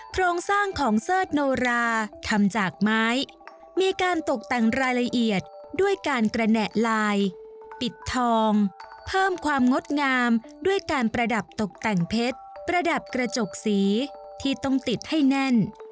โครงสร้างของเสิร์ชโนราทำจากไม้มีการตกแต่งรายละเอียดด้วยการกระแหน่ลายปิดทองเพิ่มความงดงามด้วยการประดับตกแต่งเพชรประดับกระจกสีที่ต้องติดให้แน่น